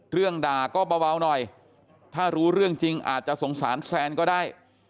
เรื่องด่าก็เบาหน่อยถ้ารู้เรื่องจริงอาจจะสงสารแซนก็ได้